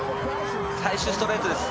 最終ストレート